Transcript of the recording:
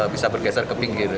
bisa bergeser ke pinggir